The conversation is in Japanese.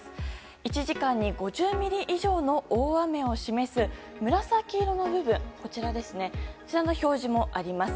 １時間に５０ミリ以上の大雨を示す紫色の部分の表示もあります。